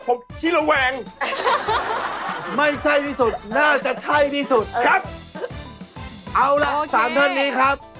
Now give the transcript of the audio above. ตอนนี้นะครับเป็นนักกีฬาทีมชาติครับ